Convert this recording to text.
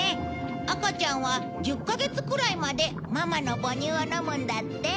赤ちゃんは１０カ月くらいまでママの母乳を飲むんだって。